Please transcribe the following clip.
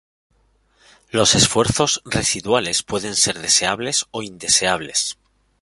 Los esfuerzos residuales pueden ser deseables o indeseables.